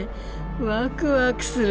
ワクワクする。